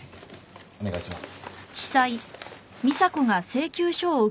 お願いします。